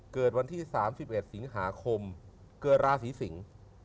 เกิดวันที่๓๑สิงหาคมเกิดราศีสิงศ์